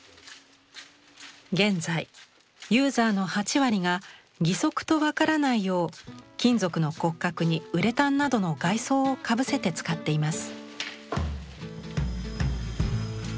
現在ユーザーの８割が義足と分からないよう金属の骨格にウレタンなどの外装をかぶせて使っています。